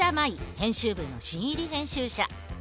編集部の新入り編集者。